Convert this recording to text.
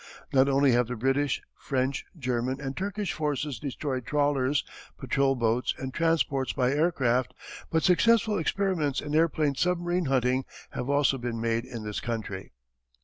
Not only have the British, French, German, and Turkish forces destroyed trawlers, patrol boats, and transports by aircraft, but successful experiments in airplane submarine hunting have also been made in this country.